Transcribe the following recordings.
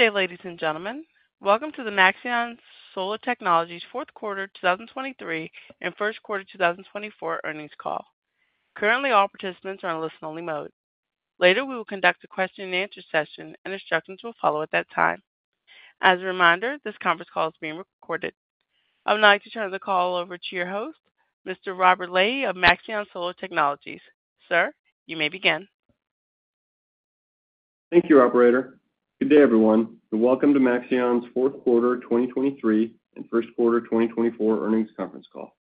Good day, ladies and gentlemen. Welcome to the Maxeon Solar Technologies Fourth Quarter 2023 and First Quarter 2024 Earnings Call. Currently, all participants are on a listen-only mode. Later, we will conduct a question-and-answer session, and instructions will follow at that time. As a reminder, this conference call is being recorded. I would now like to turn the call over to your host, Mr. Robert Lahey of Maxeon Solar Technologies. Sir, you may begin. Thank you, operator. Good day, everyone, and welcome to Maxeon's Fourth Quarter 2023 and First Quarter 2024 Earnings Conference Call.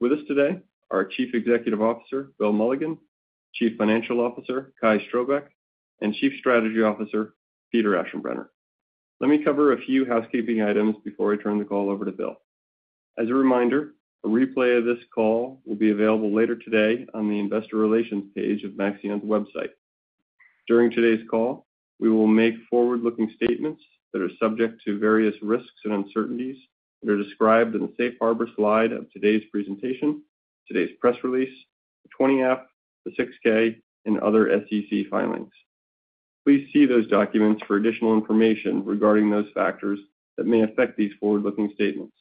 With us today are Chief Executive Officer, Bill Mulligan, Chief Financial Officer, Kai Strohbecke, and Chief Strategy Officer, Peter Aschenbrenner. Let me cover a few housekeeping items before I turn the call over to Bill. As a reminder, a replay of this call will be available later today on the investor Relations page of Maxeon's website. During today's call, we will make forward-looking statements that are subject to various risks and uncertainties that are described in the Safe Harbor slide of today's presentation, today's press release, the 20-F, the 6-K, and other SEC filings. Please see those documents for additional information regarding those factors that may affect these forward-looking statements.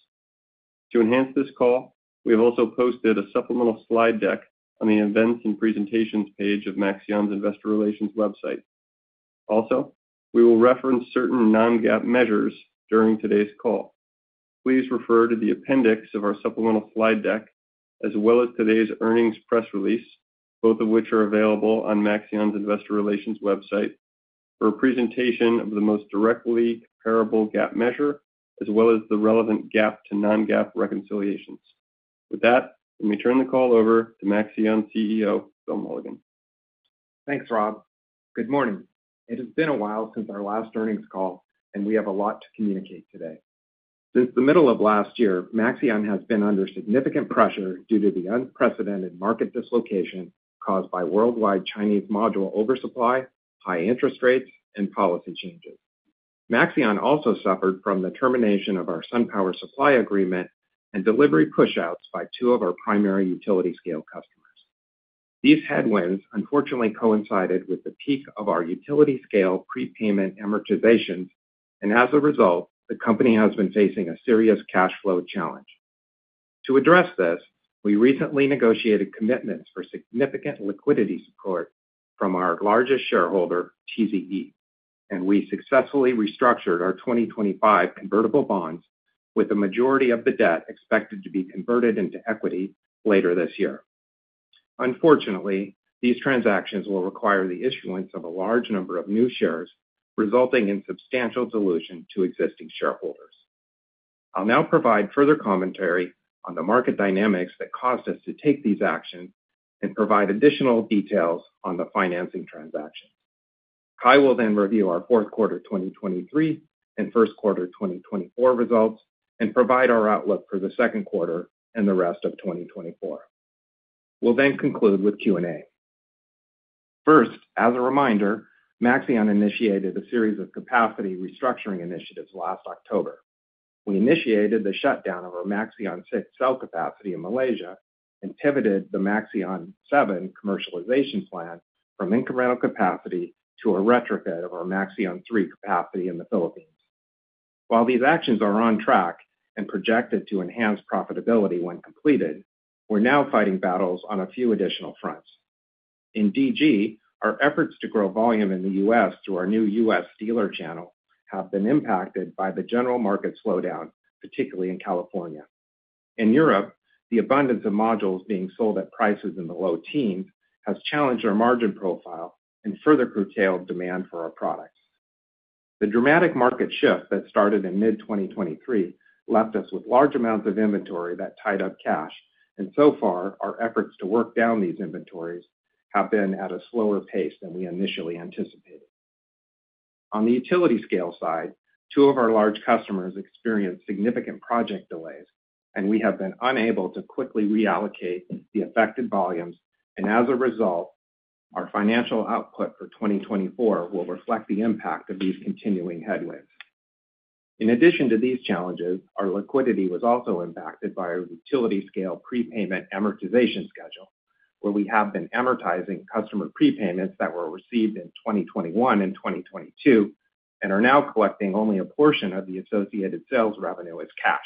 To enhance this call, we have also posted a supplemental slide deck on the Events and Presentations page of Maxeon's investor relations website. Also, we will reference certain non-GAAP measures during today's call. Please refer to the appendix of our supplemental slide deck, as well as today's earnings press release, both of which are available on Maxeon's investor relations website, for a presentation of the most directly comparable GAAP measure, as well as the relevant GAAP to non-GAAP reconciliations. With that, let me turn the call over to Maxeon CEO, Bill Mulligan. Thanks, Rob. Good morning. It has been a while since our last earnings call, and we have a lot to communicate today. Since the middle of last year, Maxeon has been under significant pressure due to the unprecedented market dislocation caused by worldwide Chinese module oversupply, high interest rates, and policy changes. Maxeon also suffered from the termination of our SunPower supply agreement and delivery pushouts by two of our primary utility scale customers. These headwinds unfortunately coincided with the peak of our utility scale prepayment amortization, and as a result, the company has been facing a serious cash flow challenge. To address this, we recently negotiated commitments for significant liquidity support from our largest shareholder, TZE, and we successfully restructured our 2025 convertible bonds, with the majority of the debt expected to be converted into equity later this year. Unfortunately, these transactions will require the issuance of a large number of new shares, resulting in substantial dilution to existing shareholders. I'll now provide further commentary on the market dynamics that caused us to take these actions and provide additional details on the financing transactions. Kai will then review our fourth quarter 2023 and first quarter 2024 results and provide our outlook for the second quarter and the rest of 2024. We'll then conclude with Q&A. First, as a reminder, Maxeon initiated a series of capacity restructuring initiatives last October. We initiated the shutdown of our Maxeon cell capacity in Malaysia and pivoted the Maxeon 7 commercialization plan from incremental capacity to a retrofit of our Maxeon 3 capacity in the Philippines. While these actions are on track and projected to enhance profitability when completed, we're now fighting battles on a few additional fronts. In DG, our efforts to grow volume in the U.S. through our new U.S. dealer channel have been impacted by the general market slowdown, particularly in California. In Europe, the abundance of modules being sold at prices in the low teens has challenged our margin profile and further curtailed demand for our products. The dramatic market shift that started in mid-2023 left us with large amounts of inventory that tied up cash, and so far, our efforts to work down these inventories have been at a slower pace than we initially anticipated. On the utility scale side, two of our large customers experienced significant project delays, and we have been unable to quickly reallocate the affected volumes, and as a result, our financial output for 2024 will reflect the impact of these continuing headwinds. In addition to these challenges, our liquidity was also impacted by our utility scale prepayment amortization schedule, where we have been amortizing customer prepayments that were received in 2021 and 2022, and are now collecting only a portion of the associated sales revenue as cash.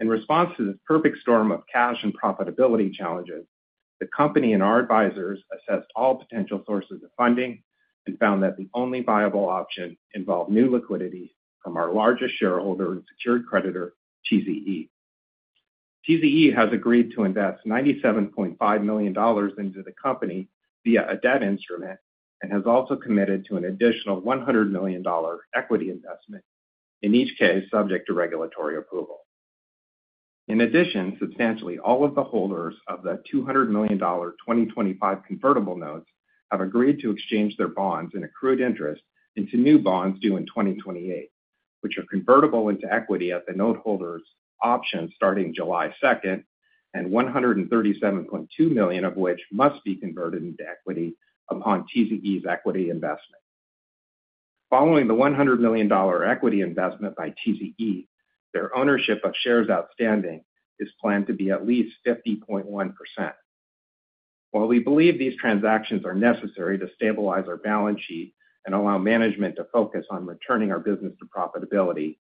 In response to this perfect storm of cash and profitability challenges, the company and our advisors assessed all potential sources of funding and found that the only viable option involved new liquidity from our largest shareholder and secured creditor, TZE. TZE has agreed to invest $97.5 million into the company via a debt instrument and has also committed to an additional $100 million equity investment, in each case, subject to regulatory approval. In addition, substantially all of the holders of the $200 million 2025 convertible notes have agreed to exchange their bonds and accrued interest into new bonds due in 2028, which are convertible into equity at the noteholders' option starting July 2nd, and $137.2 million of which must be converted into equity upon TZE's equity investment. Following the $100 million equity investment by TZE, their ownership of shares outstanding is planned to be at least 50.1%.... While we believe these transactions are necessary to stabilize our balance sheet and allow management to focus on returning our business to profitability,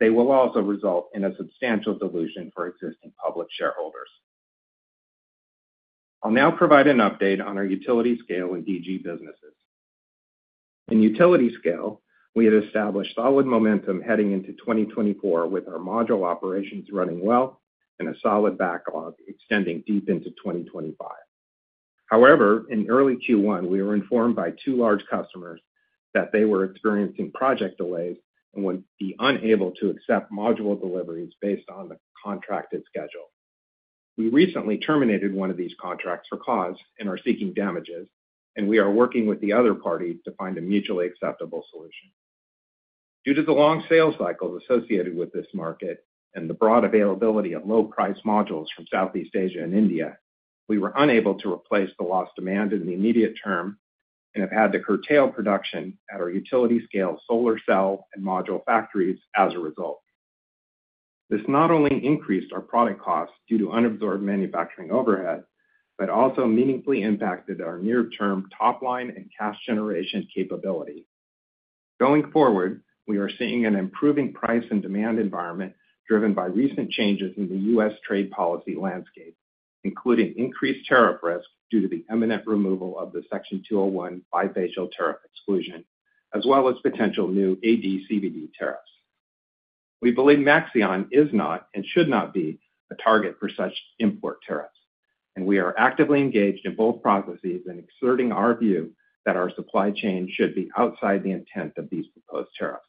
they will also result in a substantial dilution for existing public shareholders. I'll now provide an update on our utility scale and DG businesses. In utility scale, we had established solid momentum heading into 2024, with our module operations running well and a solid backlog extending deep into 2025. However, in early Q1, we were informed by two large customers that they were experiencing project delays and would be unable to accept module deliveries based on the contracted schedule. We recently terminated one of these contracts for cause and are seeking damages, and we are working with the other party to find a mutually acceptable solution. Due to the long sales cycles associated with this market and the broad availability of low-price modules from Southeast Asia and India, we were unable to replace the lost demand in the immediate term and have had to curtail production at our utility scale solar cell and module factories as a result. This not only increased our product costs due to unabsorbed manufacturing overhead, but also meaningfully impacted our near-term top line and cash generation capability. Going forward, we are seeing an improving price and demand environment, driven by recent changes in the U.S. trade policy landscape, including increased tariff risk due to the imminent removal of the Section 201 bifacial tariff exclusion, as well as potential new AD-CVD tariffs. We believe Maxeon is not and should not be a target for such import tariffs, and we are actively engaged in both processes and exerting our view that our supply chain should be outside the intent of these proposed tariffs.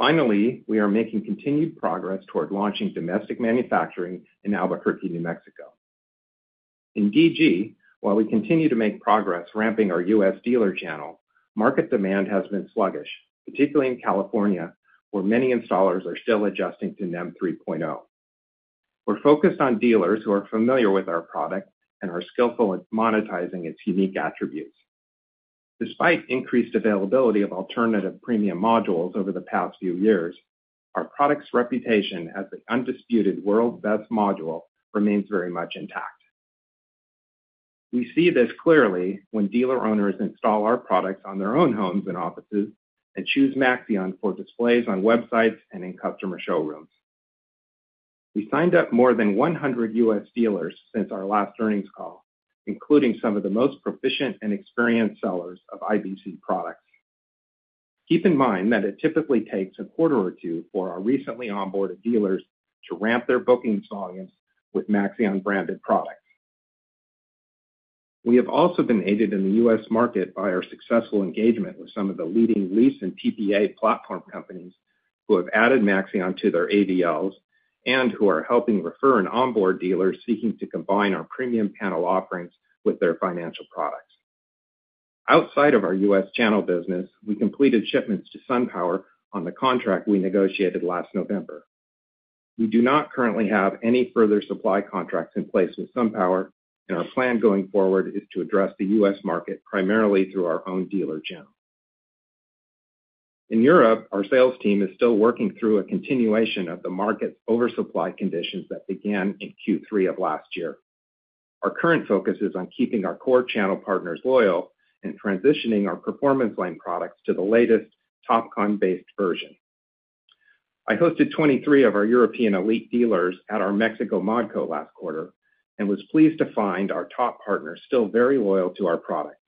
Finally, we are making continued progress toward launching domestic manufacturing in Albuquerque, New Mexico. In DG, while we continue to make progress ramping our U.S. dealer channel, market demand has been sluggish, particularly in California, where many installers are still adjusting to NEM 3.0. We're focused on dealers who are familiar with our product and are skillful at monetizing its unique attributes. Despite increased availability of alternative premium modules over the past few years, our product's reputation as the undisputed world's best module remains very much intact. We see this clearly when dealer owners install our products on their own homes and offices, and choose Maxeon for displays on websites and in customer showrooms. We signed up more than 100 U.S. dealers since our last earnings call, including some of the most proficient and experienced sellers of IBC products. Keep in mind that it typically takes a quarter or two for our recently onboarded dealers to ramp their bookings volumes with Maxeon-branded products. We have also been aided in the U.S. market by our successful engagement with some of the leading lease and PPA platform companies, who have added Maxeon to their ADLs and who are helping refer and onboard dealers seeking to combine our premium panel offerings with their financial products. Outside of our U.S. channel business, we completed shipments to SunPower on the contract we negotiated last November. We do not currently have any further supply contracts in place with SunPower, and our plan going forward is to address the U.S. market primarily through our own dealer channel. In Europe, our sales team is still working through a continuation of the market's oversupply conditions that began in Q3 of last year. Our current focus is on keeping our core channel partners loyal and transitioning our Performance Line products to the latest TOPCon-based version. I hosted 23 of our European elite dealers at our Mexico ModCo last quarter and was pleased to find our top partners still very loyal to our product.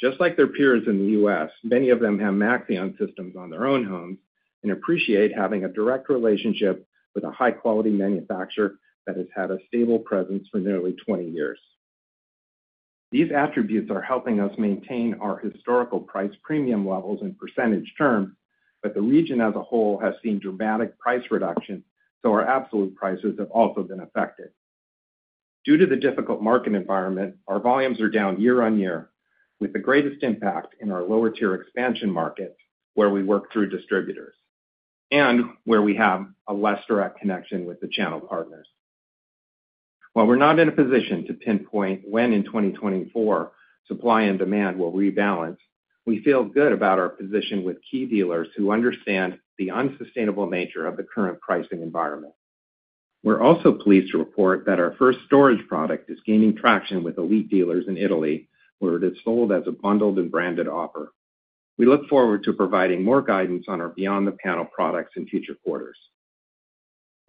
Just like their peers in the U.S., many of them have Maxeon systems on their own homes and appreciate having a direct relationship with a high-quality manufacturer that has had a stable presence for nearly 20 years. These attributes are helping us maintain our historical price premium levels in percentage terms, but the region as a whole has seen dramatic price reductions, so our absolute prices have also been affected. Due to the difficult market environment, our volumes are down year on year, with the greatest impact in our lower-tier expansion markets, where we work through distributors and where we have a less direct connection with the channel partners. While we're not in a position to pinpoint when in 2024 supply and demand will rebalance, we feel good about our position with key dealers who understand the unsustainable nature of the current pricing environment. We're also pleased to report that our first storage product is gaining traction with elite dealers in Italy, where it is sold as a bundled and branded offer. We look forward to providing more guidance on our beyond-the-panel products in future quarters.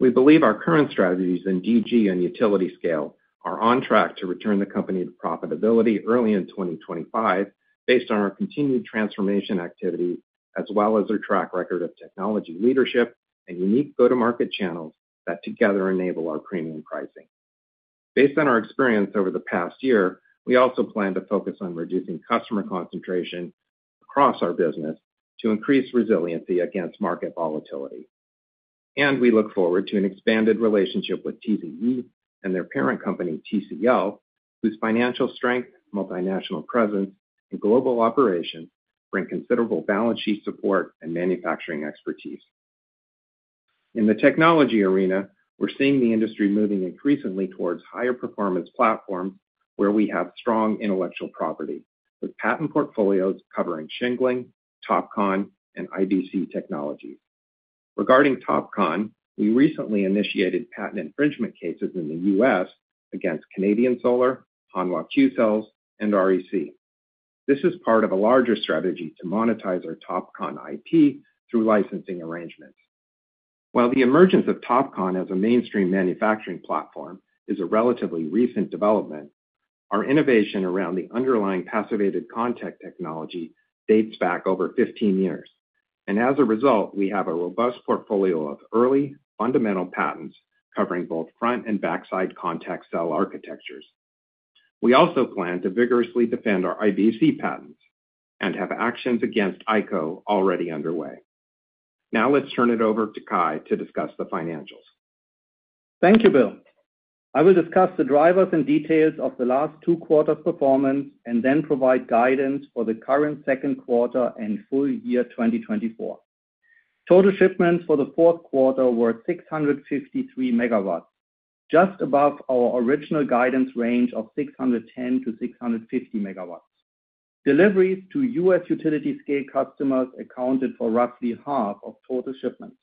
We believe our current strategies in DG and utility scale are on track to return the company to profitability early in 2025, based on our continued transformation activity, as well as our track record of technology leadership and unique go-to-market channels that together enable our premium pricing. Based on our experience over the past year, we also plan to focus on reducing customer concentration across our business to increase resiliency against market volatility. We look forward to an expanded relationship with TZE and their parent company, TCL, whose financial strength, multinational presence, and global operation bring considerable balance sheet support and manufacturing expertise. In the technology arena, we're seeing the industry moving increasingly towards higher-performance platforms where we have strong intellectual property, with patent portfolios covering shingling, TOPCon, and IBC technologies.... Regarding TOPCon, we recently initiated patent infringement cases in the U.S. against Canadian Solar, Hanwha Qcells, and REC. This is part of a larger strategy to monetize our TOPCon IP through licensing arrangements. While the emergence of TOPCon as a mainstream manufacturing platform is a relatively recent development, our innovation around the underlying passivated contact technology dates back over 15 years, and as a result, we have a robust portfolio of early fundamental patents covering both front and backside contact cell architectures. We also plan to vigorously defend our IBC patents and have actions against Aiko already underway. Now let's turn it over to Kai to discuss the financials. Thank you, Bill. I will discuss the drivers and details of the last two quarters' performance, and then provide guidance for the current second quarter and full-year 2024. Total shipments for the fourth quarter were 653 MW, just above our original guidance range of 610 MW-650 MW. Deliveries to U.S. utility scale customers accounted for roughly half of total shipments.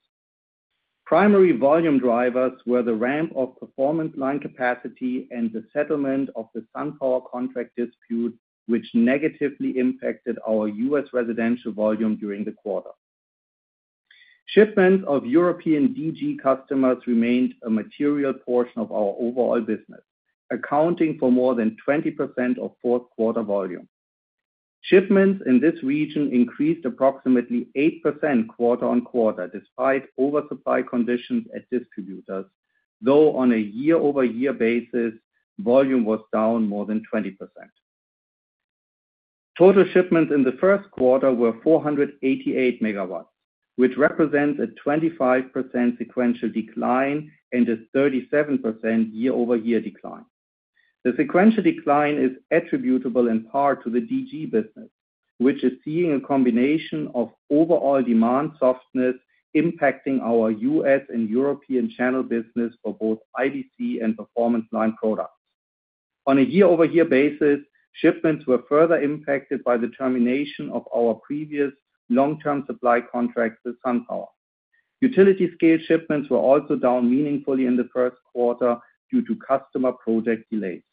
Primary volume drivers were the ramp of Performance Line capacity and the settlement of the SunPower contract dispute, which negatively impacted our U.S. residential volume during the quarter. Shipments of European DG customers remained a material portion of our overall business, accounting for more than 20% of fourth quarter volume. Shipments in this region increased approximately 8% quarter-on-quarter, despite oversupply conditions at distributors, though, on a year-over-year basis, volume was down more than 20%. Total shipments in the first quarter were 488 MW, which represents a 25% sequential decline and a 37% year-over-year decline. The sequential decline is attributable in part to the DG business, which is seeing a combination of overall demand softness impacting our U.S. and European channel business for both IBC and Performance Line products. On a year-over-year basis, shipments were further impacted by the termination of our previous long-term supply contract with SunPower. Utiity scale shipments were also down meaningfully in the first quarter due to customer project delays.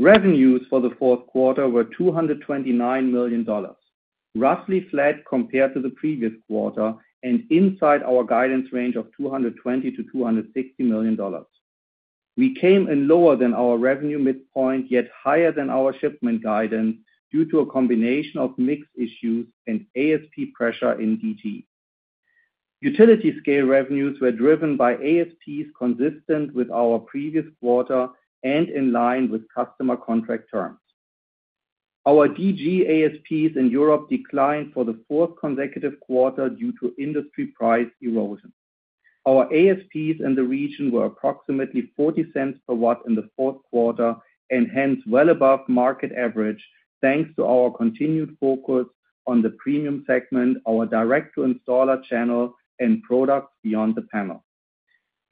Revenues for the fourth quarter were $229 million, roughly flat compared to the previous quarter, and inside our guidance range of $220 million-$260 million. We came in lower than our revenue midpoint, yet higher than our shipment guidance, due to a combination of mix issues and ASP pressure in DG. Utility scale revenues were driven by ASPs, consistent with our previous quarter and in line with customer contract terms. Our DG ASPs in Europe declined for the fourth consecutive quarter due to industry price erosion. Our ASPs in the region were approximately $0.40 per watt in the fourth quarter and hence well above market average, thanks to our continued focus on the premium segment, our direct-to-installer channel, and products beyond the panel.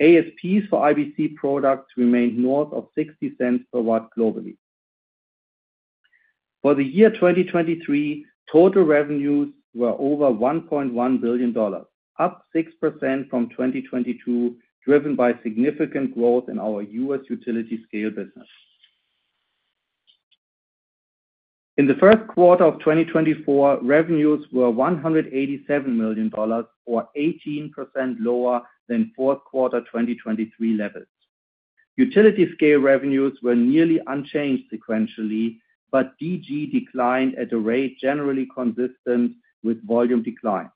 ASPs for IBC products remained north of $0.60 per watt globally. For the year 2023, total revenues were over $1.1 billion, up 6% from 2022, driven by significant growth in our U.S. utility scale business. In the first quarter of 2024, revenues were $187 million, or 18% lower than fourth quarter 2023 levels. Utility-scale revenues were nearly unchanged sequentially, but DG declined at a rate generally consistent with volume decline.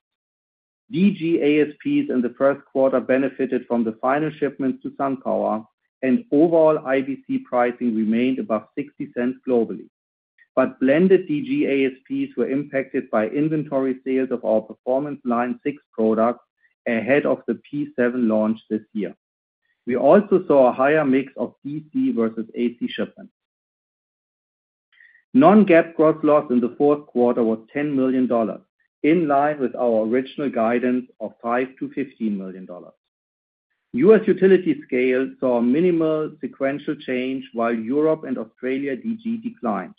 DG ASPs in the first quarter benefited from the final shipments to SunPower, and overall, IBC pricing remained above $0.60 globally. But blended DG ASPs were impacted by inventory sales of our Performance Line 6 products ahead of the P7 launch this year. We also saw a higher mix of DC versus AC shipments. Non-GAAP gross loss in the fourth quarter was $10 million, in line with our original guidance of $5 million-$15 million. U.S. utility-scale saw minimal sequential change, while Europe and Australia DG declined.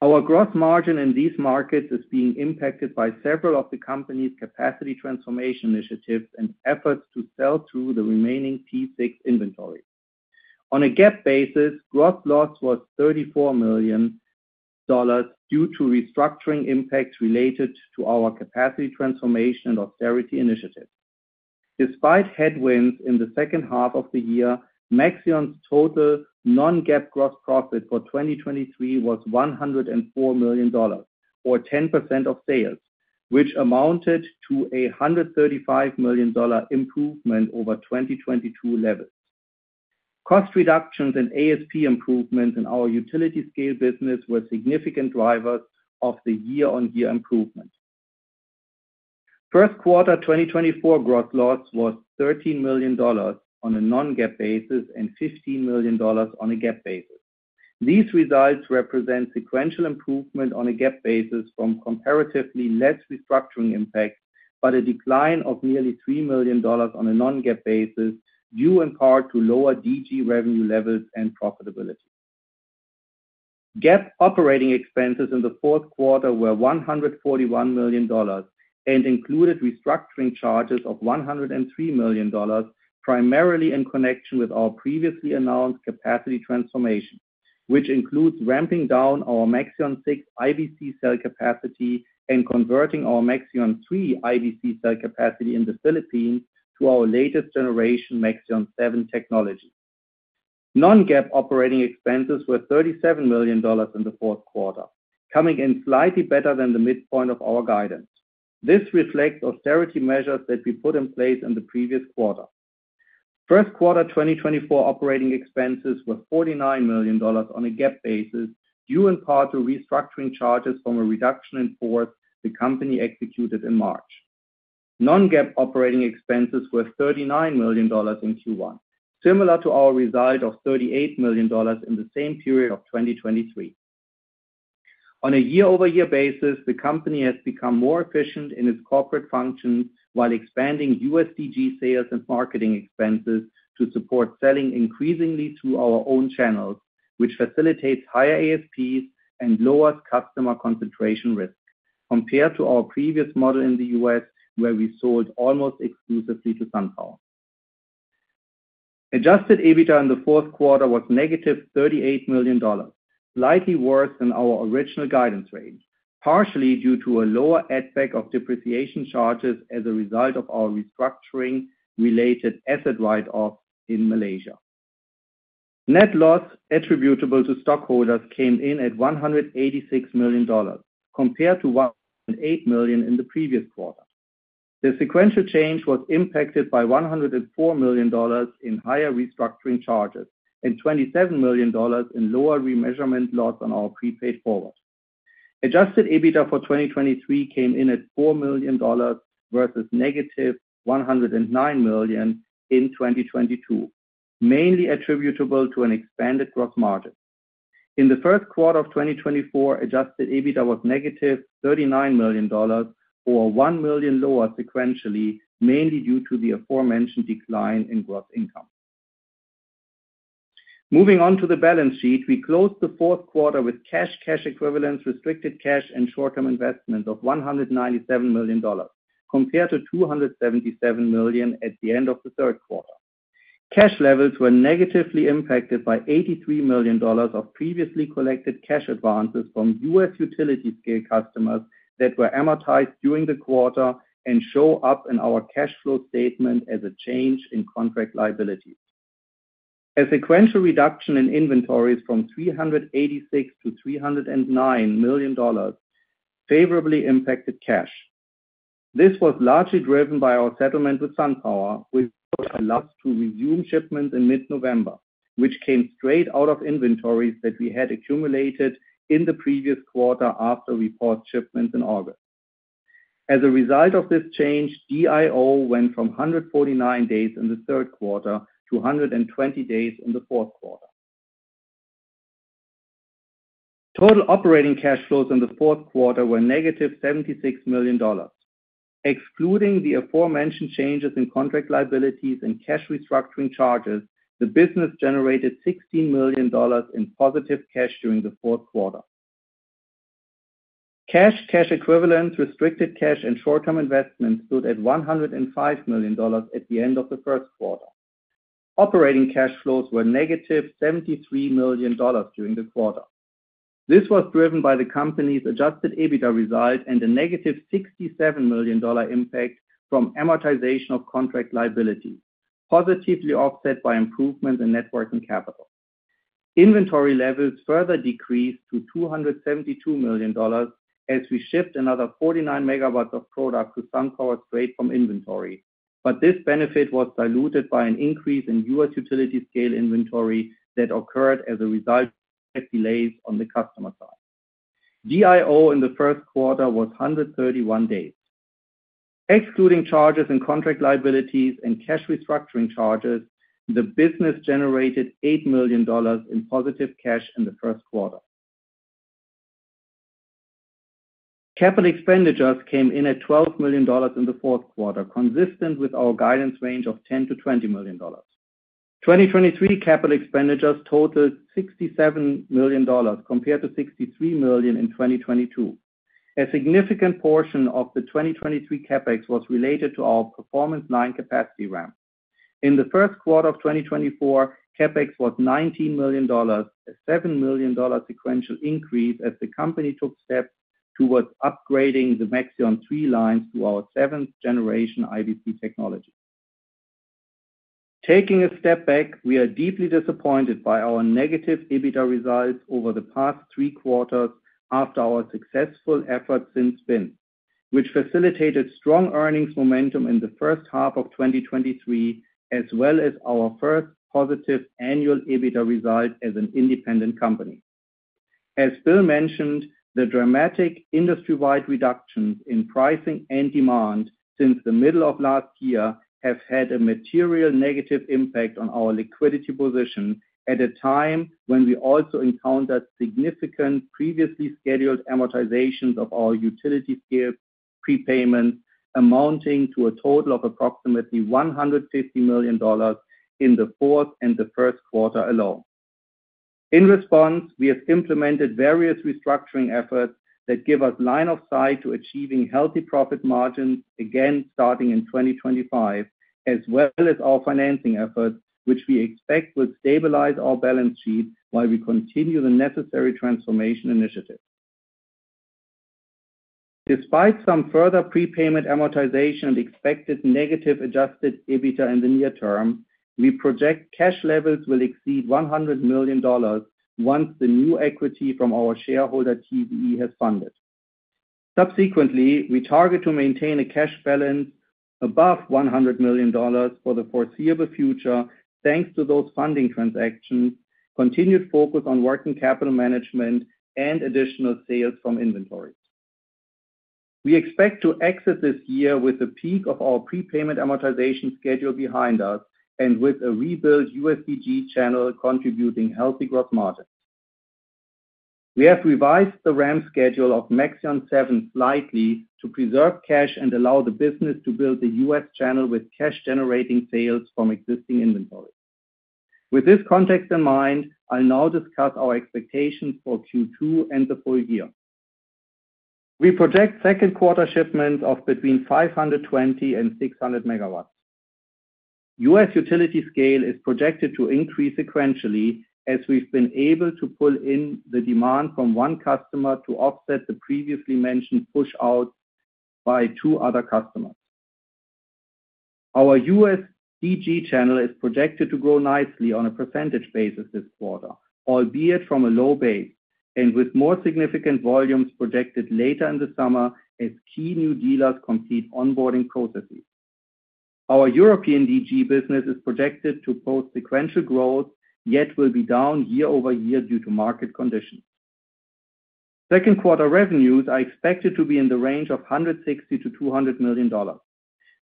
Our gross margin in these markets is being impacted by several of the company's capacity transformation initiatives and efforts to sell through the remaining P6 inventory. On a GAAP basis, gross loss was $34 million due to restructuring impacts related to our capacity transformation and austerity initiatives. Despite headwinds in the second half of the year, Maxeon's total non-GAAP gross profit for 2023 was $104 million, or 10% of sales, which amounted to a $135 million improvement over 2022 levels. Cost reductions and ASP improvements in our utility scale business were significant drivers of the year-on-year improvement. First quarter 2024 gross loss was $13 million on a non-GAAP basis and $15 million on a GAAP basis. These results represent sequential improvement on a GAAP basis from comparatively less restructuring impact, but a decline of nearly $3 million on a non-GAAP basis, due in part to lower DG revenue levels and profitability. GAAP operating expenses in the fourth quarter were $141 million, and included restructuring charges of $103 million, primarily in connection with our previously announced capacity transformation, which includes ramping down our Maxeon 6 IBC cell capacity and converting our Maxeon 3 IBC cell capacity in the Philippines to our latest generation, Maxeon 7 technology. Non-GAAP operating expenses were $37 million in the fourth quarter, coming in slightly better than the midpoint of our guidance. This reflects austerity measures that we put in place in the previous quarter. First quarter 2024 operating expenses were $49 million on a GAAP basis, due in part to restructuring charges from a reduction in force the company executed in March. Non-GAAP operating expenses were $39 million in Q1, similar to our result of $38 million in the same period of 2023. On a year-over-year basis, the company has become more efficient in its corporate functions while expanding U.S.DG sales and marketing expenses to support selling increasingly through our own channels, which facilitates higher ASPs and lowers customer concentration risk, compared to our previous model in the U.S., where we sold almost exclusively to SunPower. Adjusted EBITDA in the fourth quarter was -$38 million, slightly worse than our original guidance range, partially due to a lower aspect of depreciation charges as a result of our restructuring-related asset write-off in Malaysia. Net loss attributable to stockholders came in at $186 million, compared to $108 million in the previous quarter. The sequential change was impacted by $104 million in higher restructuring charges and $27 million in lower remeasurement loss on our prepaid forward. Adjusted EBITDA for 2023 came in at $4 million versus -$109 million in 2022, mainly attributable to an expanded gross margin. In the first quarter of 2024, adjusted EBITDA was -$39 million or $1 million lower sequentially, mainly due to the aforementioned decline in gross income. Moving on to the balance sheet, we closed the fourth quarter with cash, cash equivalents, restricted cash, and short-term investments of $197 million, compared to $277 million at the end of the third quarter. Cash levels were negatively impacted by $83 million of previously collected cash advances from U.S. utility scale customers that were amortized during the quarter and show up in our cash flow statement as a change in contract liability. A sequential reduction in inventories from $386 million to $309 million favorably impacted cash. This was largely driven by our settlement with SunPower, which allowed us to resume shipments in mid-November, which came straight out of inventories that we had accumulated in the previous quarter after we paused shipments in August. As a result of this change, DIO went from 149 days in the third quarter to 120 days in the fourth quarter. Total operating cash flows in the fourth quarter were -$76 million. Excluding the aforementioned changes in contract liabilities and cash restructuring charges, the business generated $16 million in positive cash during the fourth quarter. Cash, cash equivalents, restricted cash, and short-term investments stood at $105 million at the end of the first quarter. Operating cash flows were -$73 million during the quarter. This was driven by the company's Adjusted EBITDA result and a -$67 million impact from amortization of contract liability, positively offset by improvements in net working capital. Inventory levels further decreased to $272 million, as we shipped another 49 MW of product to SunPower straight from inventory. But this benefit was diluted by an increase in U.S. utility scale inventory that occurred as a result of delays on the customer side. DIO in the first quarter was 131 days. Excluding charges and contract liabilities and cash restructuring charges, the business generated $8 million in positive cash in the first quarter. Capital expenditures came in at $12 million in the fourth quarter, consistent with our guidance range of $10 million-$20 million. 2023 capital expenditures totaled $67 million, compared to $63 million in 2022. A significant portion of the 2023 CapEx was related to our Performance Line capacity ramp. In the first quarter of 2024, CapEx was $19 million, a $7 million sequential increase, as the company took steps towards upgrading the Maxeon 3 lines to our seventh-generation IBC technology. Taking a step back, we are deeply disappointed by our negative EBITDA results over the past three quarters after our successful efforts in spin, which facilitated strong earnings momentum in the first half of 2023, as well as our first positive annual EBITDA result as an independent company. As Bill mentioned, the dramatic industry-wide reductions in pricing and demand since the middle of last year have had a material negative impact on our liquidity position at a time when we also encountered significant previously scheduled amortizations of our utility-scale prepayment amounting to a total of approximately $150 million in the fourth and the first quarter alone. In response, we have implemented various restructuring efforts that give us line of sight to achieving healthy profit margins again, starting in 2025, as well as our financing efforts, which we expect will stabilize our balance sheet while we continue the necessary transformation initiative. Despite some further prepayment amortization and expected negative Adjusted EBITDA in the near term, we project cash levels will exceed $100 million once the new equity from our shareholder, TZE, has funded. Subsequently, we target to maintain a cash balance above $100 million for the foreseeable future, thanks to those funding transactions, continued focus on working capital management, and additional sales from inventories. We expect to exit this year with the peak of our prepayment amortization schedule behind us and with a rebuilt USDG channel contributing healthy growth margins. We have revised the ramp schedule of Maxeon 7 slightly to preserve cash and allow the business to build the U.S. channel with cash-generating sales from existing inventory. With this context in mind, I'll now discuss our expectations for Q2 and the full year. We project second quarter shipments of between 520 MW and 600 MW. U.S. utility scale is projected to increase sequentially, as we've been able to pull in the demand from one customer to offset the previously mentioned push out by two other customers. Our U.S. DG channel is projected to grow nicely on a percentage basis this quarter, albeit from a low base, and with more significant volumes projected later in the summer as key new dealers complete onboarding processes. Our European DG business is projected to post sequential growth, yet will be down year-over-year due to market conditions. Second quarter revenues are expected to be in the range of $160 million-$200 million.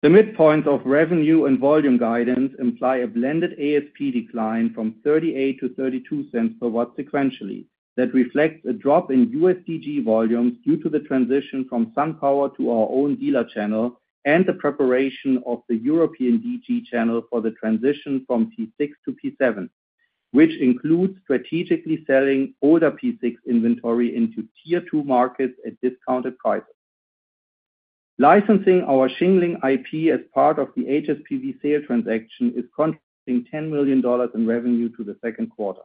The midpoint of revenue and volume guidance imply a blended ASP decline from $0.38-$0.32 per watt sequentially. That reflects a drop in USDG volumes due to the transition from SunPower to our own dealer channel, and the preparation of the European DG channel for the transition from P6 to P7, which includes strategically selling older P6 inventory into tier two markets at discounted prices. Licensing our shingling IP as part of the HSPV sale transaction is contributing $10 million in revenue to the second quarter.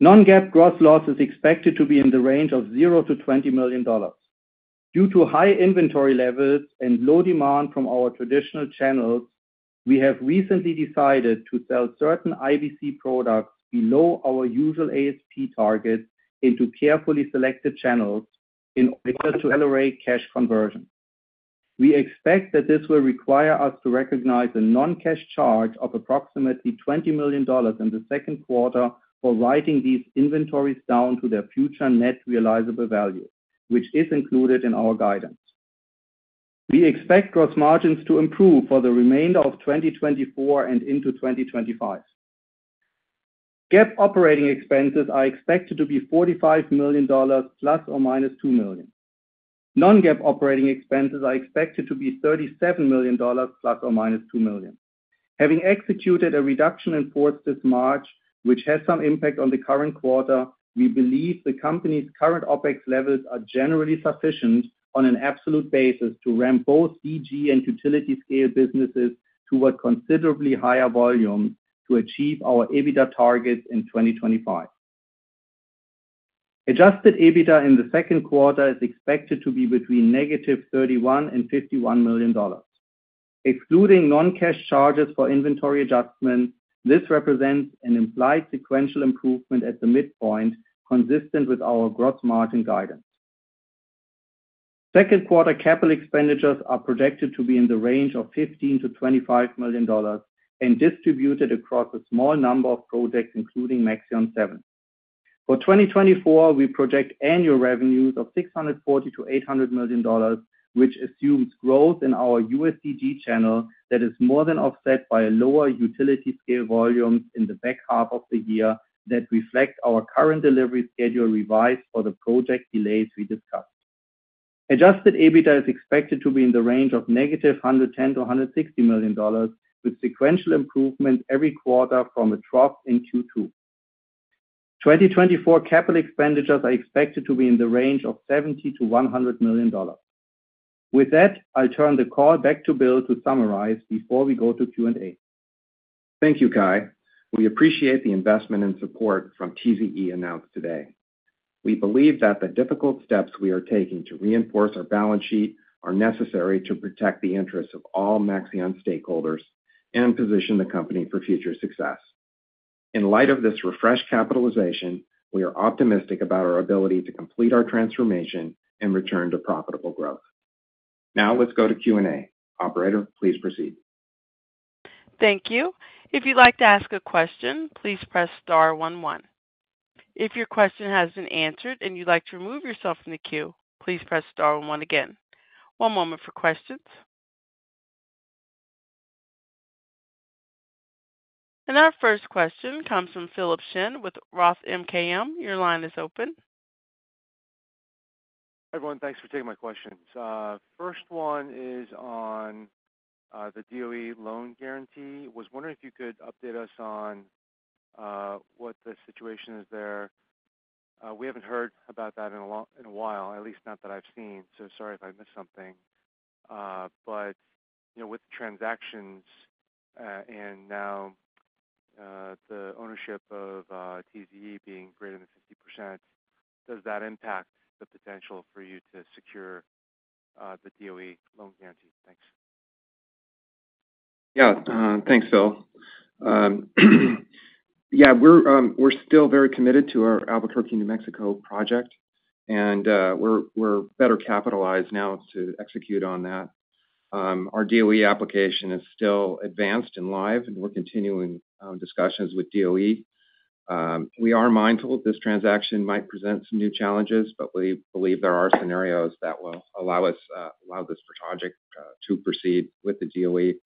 Non-GAAP gross loss is expected to be in the range of $0 million-$20 million. Due to high inventory levels and low demand from our traditional channels, we have recently decided to sell certain IBC products below our usual ASP targets into carefully selected channels in order to accelerate cash conversion. We expect that this will require us to recognize a non-cash charge of approximately $20 million in the second quarter for writing these inventories down to their future net realizable value, which is included in our guidance. We expect gross margins to improve for the remainder of 2024 and into 2025. GAAP operating expenses are expected to be $45 million ± $2 million. Non-GAAP operating expenses are expected to be $37 million ± $2 million. Having executed a reduction in force this March, which had some impact on the current quarter, we believe the company's current OpEx levels are generally sufficient on an absolute basis to ramp both DG and utility scale businesses toward considerably higher volumes to achieve our EBITDA targets in 2025. Adjusted EBITDA in the second quarter is expected to be between -$31 million and -$51 million. Excluding non-cash charges for inventory adjustments, this represents an implied sequential improvement at the midpoint, consistent with our gross margin guidance. Second quarter capital expenditures are projected to be in the range of $15 million-$25 million and distributed across a small number of projects, including Maxeon 7. For 2024, we project annual revenues of $640 million-$800 million, which assumes growth in our USDG channel that is more than offset by lower utility scale volumes in the back half of the year that reflect our current delivery schedule revised for the project delays we discussed. Adjusted EBITDA is expected to be in the range of -$110 million to -$160 million, with sequential improvement every quarter from a trough in Q2. 2024 capital expenditures are expected to be in the range of $70 million-$100 million. With that, I'll turn the call back to Bill to summarize before we go to Q&A. Thank you, Kai. We appreciate the investment and support from TZE announced today. We believe that the difficult steps we are taking to reinforce our balance sheet are necessary to protect the interests of all Maxeon stakeholders and position the company for future success. In light of this refreshed capitalization, we are optimistic about our ability to complete our transformation and return to profitable growth. Now, let's go to Q&A. Operator, please proceed. Thank you. If you'd like to ask a question, please press star one one. If your question has been answered and you'd like to remove yourself from the queue, please press star one one again. One moment for questions.... Our first question comes from Philip Shen with Roth MKM. Your line is open. Hi, everyone. Thanks for taking my questions. First one is on the DOE loan guarantee. Was wondering if you could update us on what the situation is there? We haven't heard about that in a long while, at least not that I've seen, so sorry if I missed something. But you know, with the transactions and now the ownership of TZE being greater than 50%, does that impact the potential for you to secure the DOE loan guarantee? Thanks. Yeah. Thanks, Phil. Yeah, we're still very committed to our Albuquerque, New Mexico project, and we're better capitalized now to execute on that. Our DOE application is still advanced and live, and we're continuing discussions with DOE. We are mindful that this transaction might present some new challenges, but we believe there are scenarios that will allow us, allow this project, to proceed with the DOE.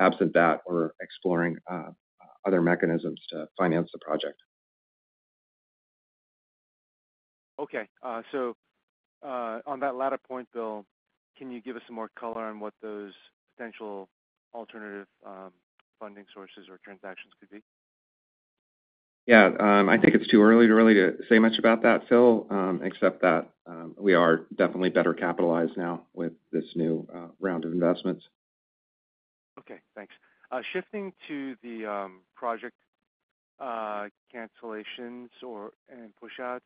Absent that, we're exploring other mechanisms to finance the project. Okay. So, on that latter point, though, can you give us some more color on what those potential alternative funding sources or transactions could be? Yeah, I think it's too early to really say much about that, Phil, except that we are definitely better capitalized now with this new round of investments. Okay, thanks. Shifting to the project cancellations or and push-outs,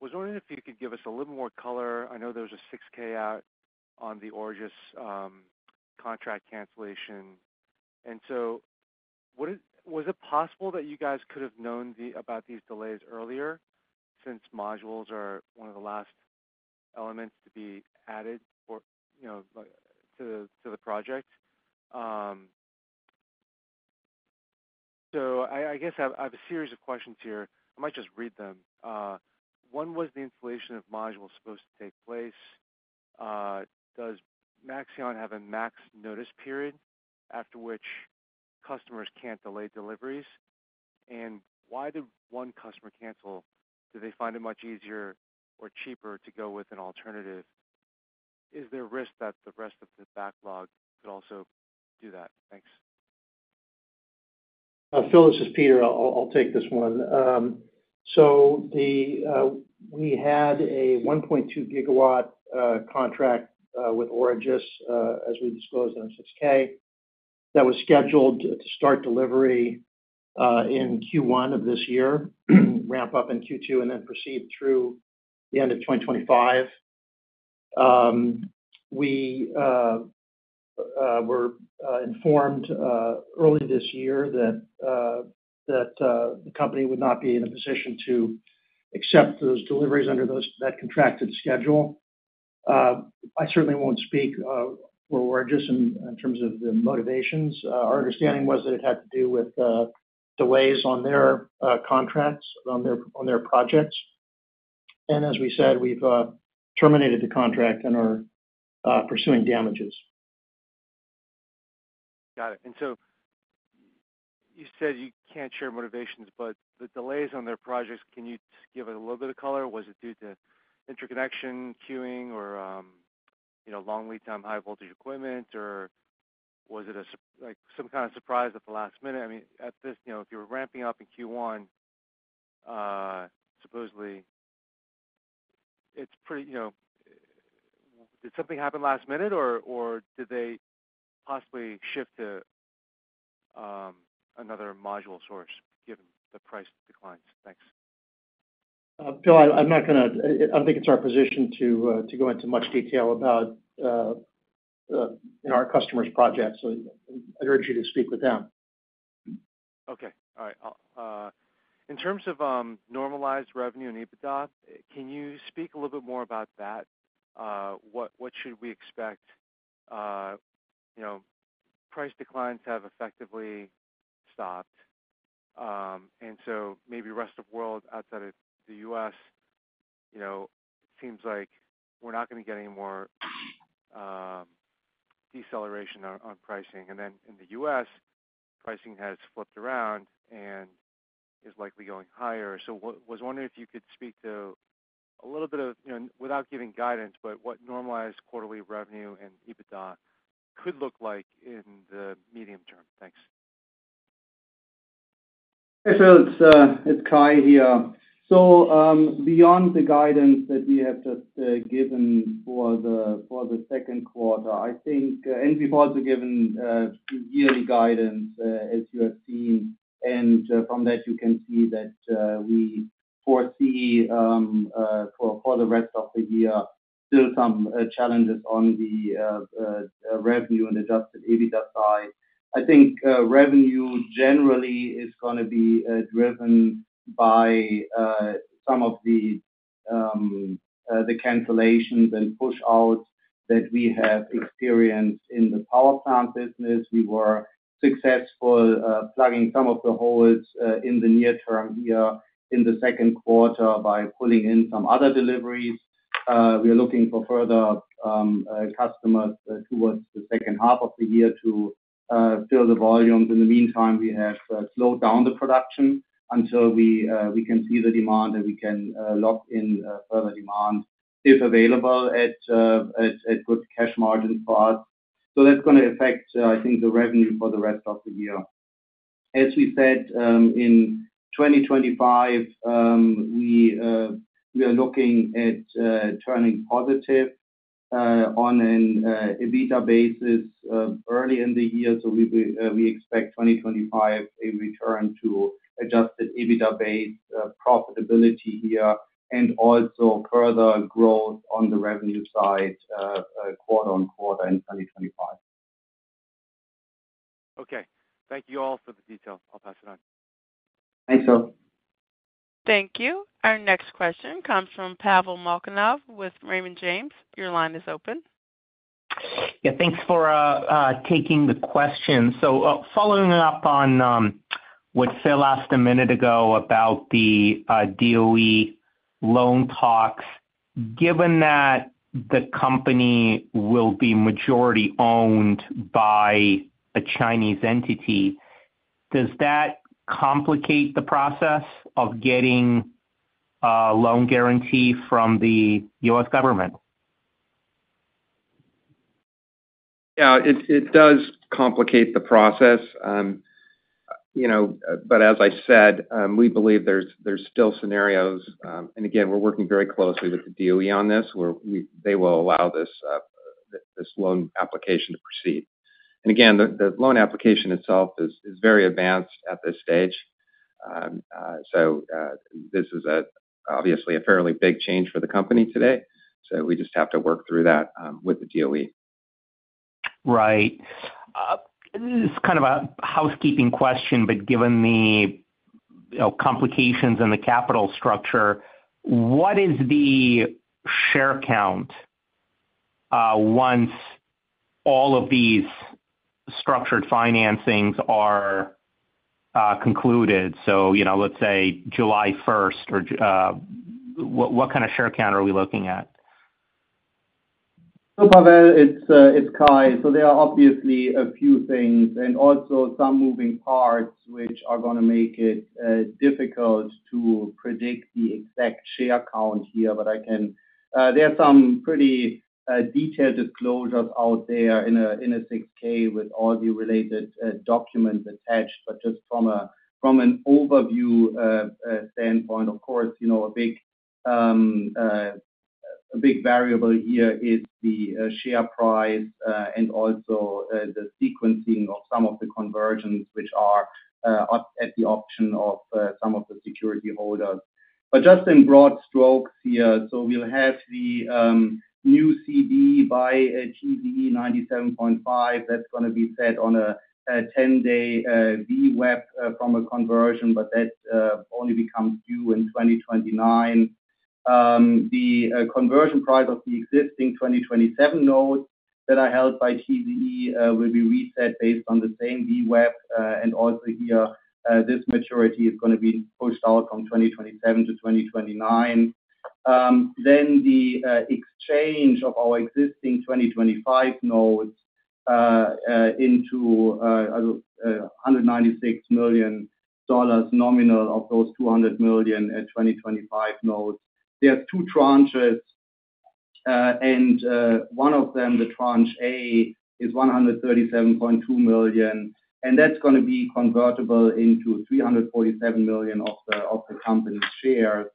was wondering if you could give us a little more color. I know there was a 6-K out on the Origis contract cancellation, and so was it possible that you guys could have known about these delays earlier, since modules are one of the last elements to be added or, you know, like, to the project? So I guess I have a series of questions here. I might just read them. When was the installation of modules supposed to take place? Does Maxeon have a max notice period after which customers can't delay deliveries? And why did one customer cancel? Do they find it much easier or cheaper to go with an alternative? Is there a risk that the rest of the backlog could also do that? Thanks. Phil, this is Peter. I'll take this one. So we had a 1.2 GW contract with Origis, as we disclosed in our 6-K, that was scheduled to start delivery in Q1 of this year, ramp up in Q2, and then proceed through the end of 2025. We were informed early this year that the company would not be in a position to accept those deliveries under that contracted schedule. I certainly won't speak for Origis in terms of the motivations. Our understanding was that it had to do with delays on their contracts, on their projects. As we said, we've terminated the contract and are pursuing damages. Got it. And so you said you can't share motivations, but the delays on their projects, can you just give it a little bit of color? Was it due to interconnection, queuing or, you know, long lead time, high voltage equipment, or was it like some kind of surprise at the last minute? I mean, at this, you know, if you were ramping up in Q1, supposedly it's pretty, you know... Did something happen last minute, or did they possibly shift to another module source given the price declines? Thanks. Phil, I'm not gonna. I don't think it's our position to go into much detail about in our customer's project, so I'd urge you to speak with them. Okay. All right. I'll, in terms of, normalized revenue and EBITDA, can you speak a little bit more about that? What, what should we expect? You know, price declines have effectively stopped, and so maybe rest of world outside of the U.S., you know, seems like we're not gonna get any more, deceleration on, on pricing. And then in the U.S., pricing has flipped around and is likely going higher. So what, was wondering if you could speak to a little bit of, you know, without giving guidance, but what normalized quarterly revenue and EBITDA could look like in the medium term? Thanks. Hey, Phil, it's Kai here. So, beyond the guidance that we have just given for the second quarter, I think—and we've also given yearly guidance, as you have seen, and from that, you can see that we foresee for the rest of the year still some challenges on the revenue and Adjusted EBITDA side. I think revenue generally is gonna be driven by some of the cancellations and push-outs that we have experienced in the power plant business. We were successful plugging some of the holes in the near term here in the second quarter by pulling in some other deliveries... We are looking for further customers towards the second half of the year to fill the volumes. In the meantime, we have slowed down the production until we can see the demand, and we can lock in further demand if available at good cash margin for us. So that's gonna affect, I think, the revenue for the rest of the year. As we said, in 2025, we are looking at turning positive on an EBITDA basis early in the year. So we expect 2025, a return to adjusted EBITDA base profitability here, and also further growth on the revenue side quarter on quarter in 2025. Okay. Thank you all for the detail. I'll pass it on. Thanks, Phil. Thank you. Our next question comes from Pavel Molchanov with Raymond James. Your line is open. Yeah, thanks for taking the question. So, following up on what Phil asked a minute ago about the DOE loan talks, given that the company will be majority owned by a Chinese entity, does that complicate the process of getting loan guarantee from the U.S. government? Yeah, it does complicate the process. You know, but as I said, we believe there's still scenarios, and again, we're working very closely with the DOE on this, where we -- they will allow this loan application to proceed. And again, the loan application itself is very advanced at this stage. So, this is obviously a fairly big change for the company today, so we just have to work through that with the DOE. Right. This is kind of a housekeeping question, but given the, you know, complications in the capital structure, what is the share count once all of these structured financings are concluded? So, you know, let's say July 1st or J- what, what kind of share count are we looking at? So Pavel, it's Kai. So there are obviously a few things and also some moving parts, which are gonna make it difficult to predict the exact share count here. But I can. There are some pretty detailed disclosures out there in a 6-K with all the related documents attached. But just from an overview standpoint, of course, you know, a big variable here is the share price and also the sequencing of some of the conversions, which are at the option of some of the security holders. But just in broad strokes here, so we'll have the new CB by TZE 97.5. That's gonna be set on a 10-day VWAP from a conversion, but that only becomes due in 2029. The conversion price of the existing 2027 notes that are held by TZE will be reset based on the same VWAP. And also here, this maturity is gonna be pushed out from 2027 to 2029. Then the exchange of our existing 2025 notes into $196 million nominal of those $200 million at 2025 notes. There are two tranches, and one of them, the Tranche A, is $137.2 million, and that's gonna be convertible into $347 million of the company's shares.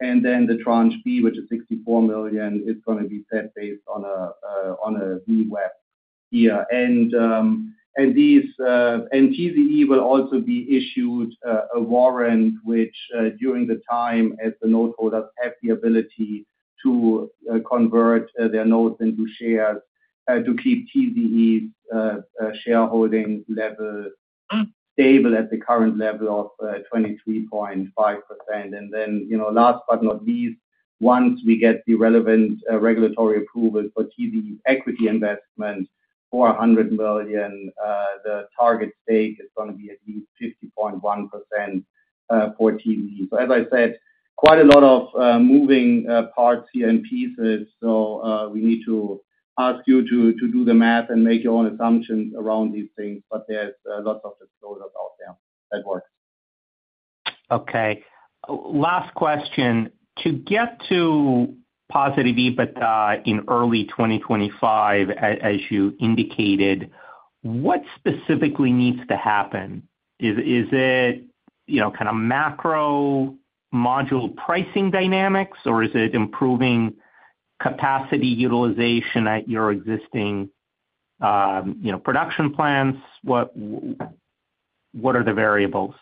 And then the Tranche B, which is $64 million, is gonna be set based on a VWAP here. And these... And TZE will also be issued a warrant, which, during the time, as the noteholders have the ability to convert their notes into shares, to keep TZE's shareholding level stable at the current level of 23.5%. And then, you know, last but not least, once we get the relevant regulatory approval for TZE equity investment, $400 million, the target stake is gonna be at least 50.1% for TZE. So as I said, quite a lot of moving parts here and pieces. We need to ask you to do the math and make your own assumptions around these things, but there's lots of disclosure out there that works. Okay. Last question. To get to positive EBITDA in early 2025, as you indicated, what specifically needs to happen? Is it, you know, kind of macro module pricing dynamics, or is it improving capacity utilization at your existing, you know, production plans? What are the variables?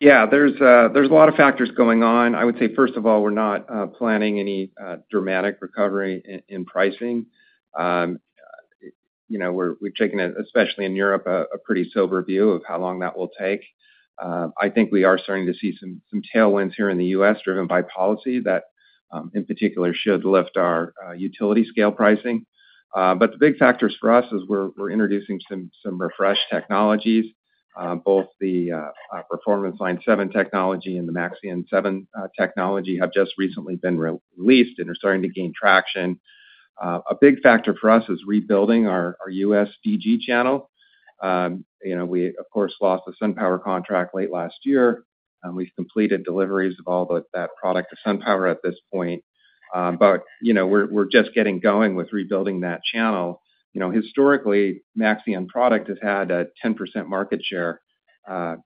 Yeah, there's a lot of factors going on. I would say, first of all, we're not planning any dramatic recovery in pricing. You know, we've taken it, especially in Europe, a pretty sober view of how long that will take. I think we are starting to see some tailwinds here in the U.S., driven by policy that, in particular, should lift our utility-scale pricing. But the big factors for us is we're introducing some refresh technologies. Both the Performance Line 7 technology and the Maxeon 7 technology have just recently been re-released and are starting to gain traction. A big factor for us is rebuilding our USDG channel. You know, we, of course, lost the SunPower contract late last year, and we've completed deliveries of all but that product of SunPower at this point. But, you know, we're just getting going with rebuilding that channel. You know, historically, Maxeon product has had a 10% market share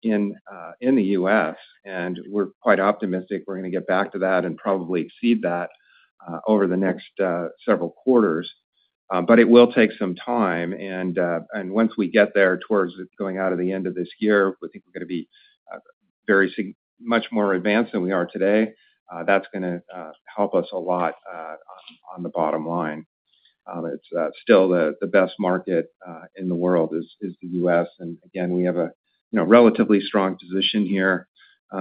in the U.S., and we're quite optimistic we're gonna get back to that and probably exceed that over the next several quarters. But it will take some time, and once we get there towards going out of the end of this year, we think we're gonna be very much more advanced than we are today. That's gonna help us a lot on the bottom line. It's still the best market in the world is the U.S., and again, we have a, you know, relatively strong position here.